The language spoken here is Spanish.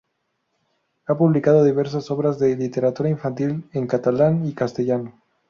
Ha publicado diversas obras de literatura infantil en catalán y castellano.